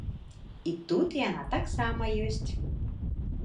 І тут яна таксама ёсць.